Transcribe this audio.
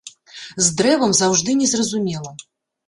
З дрэвам заўжды незразумела.